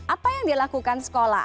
apa yang dilakukan sekolah